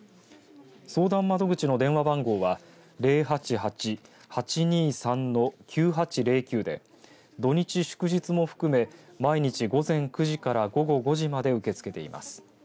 相談窓口の電話番号は０８８‐８２３‐９８０９で土日祝日も含め毎日午前９時から午後５時まで受け付けています。